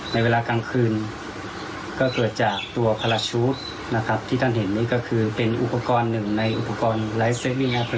ในเวลากลางคืนก็เกิดจากตัวนะครับที่ท่านเห็นนี่ก็คือเป็นอุปกรณ์หนึ่งในอุปกรณ์